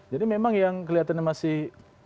jadi memang yang kelihatannya masih